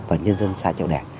và nhân dân xã triệu đề